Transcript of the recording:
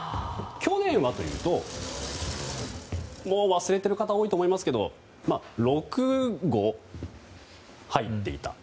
去年はというと、忘れている方も多いと思いますが６語入っていた。